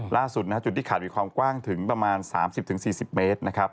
ล่าสุดจุดที่ขาดมีความกว้างถึงประมาณ๓๐๔๐เมตรนะครับ